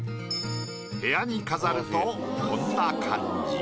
部屋に飾るとこんな感じ。